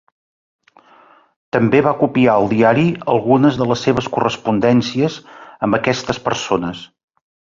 També va copiar al diari algunes de les seves correspondències amb aquestes persones.